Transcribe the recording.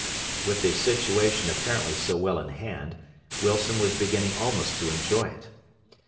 '" With the situation apparently so well in hand, Wilson was beginning almost to enjoy it.